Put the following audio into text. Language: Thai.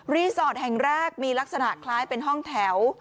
สอดแห่งแรกมีลักษณะคล้ายเป็นห้องแถว